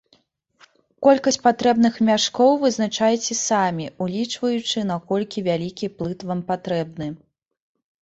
Колькасць патрэбных мяшкоў вызначайце самі, улічваючы, наколькі вялікі плыт вам патрэбны.